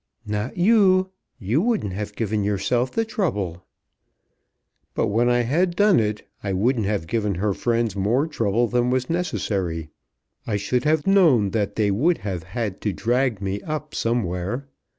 "Not you. You wouldn't have given yourself the trouble." "But when I had done it I wouldn't have given her friends more trouble than was necessary. I should have known that they would have had to drag me up somewhere.